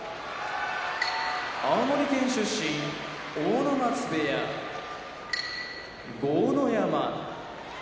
青森県出身阿武松部屋豪ノ山